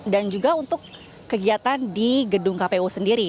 dan juga untuk kegiatan di gedung kpu sendiri